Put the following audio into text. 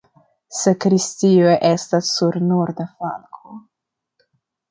Sakristio estas sur norda flanko.